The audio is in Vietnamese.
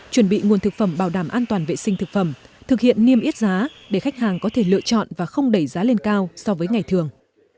chuẩn bị nguồn thực phẩm bảo đảm an toàn vệ sinh thực phẩm thực hiện niêm yết giá để khách hàng có thể lựa chọn và không đẩy giá lên cao so với ngày thường